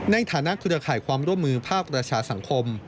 ในฐานะเครือข่ายความร่วมมือภาคประชาสังคม